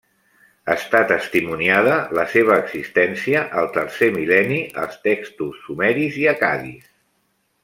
Està testimoniada la seva existència al tercer mil·lenni als textos sumeris i accadis.